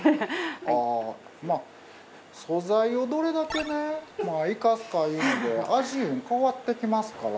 まぁ素材をどれだけね生かすかいうので味も変わってきますから。